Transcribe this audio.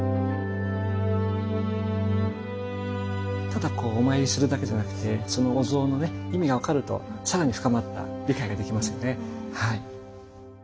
ただこうお参りするだけじゃなくてそのお像のね意味が分かると更に深まった理解ができますよねはい。